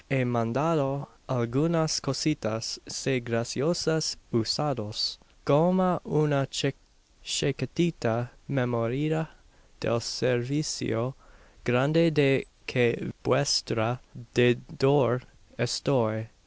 He mandado algunas cositas. Sea graciosa usarlos, coma una chiquitita memoria del servicio grande de que vuestra deudor estoy.